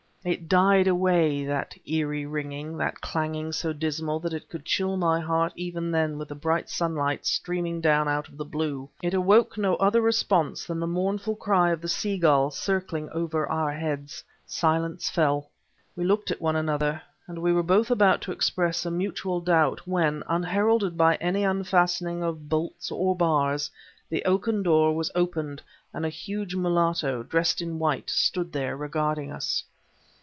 It died away, that eerie ringing that clanging so dismal that it could chill my heart even then with the bright sunlight streaming down out of the blue; it awoke no other response than the mournful cry of the sea gull circling over our heads. Silence fell. We looked at one another, and we were both about to express a mutual doubt when, unheralded by any unfastening of bolts or bars, the oaken door was opened, and a huge mulatto, dressed in white, stood there regarding us.